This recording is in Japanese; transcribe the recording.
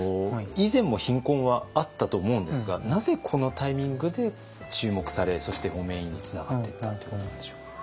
以前も貧困はあったと思うんですがなぜこのタイミングで注目されそして方面委員につながっていったということなんでしょう？